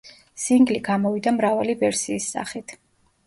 სინგლი გამოვიდა მრავალი ვერსიის სახით.